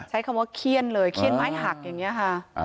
ใช้คำว่าเขี้ยนเลยเขี้ยนไม้หักอย่างนี้ค่ะ